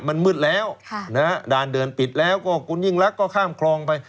มันมืดแล้วด่านเดินปิดแล้วก็คุณยิ่งรักก็ข้ามคลองไป